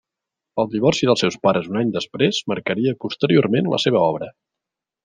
El divorci dels seus pares un any després marcaria posteriorment la seva obra.